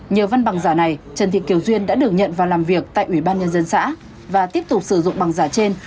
nhờ văn bằng giả này trần thị kiều duyên đã được nhận vào làm việc tại ủy ban nhân dân xã và tiếp tục sử dụng bằng giả trên